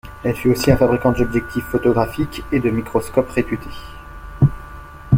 Elle fut aussi un fabricant d'objectifs photographiques et de microscopes réputés.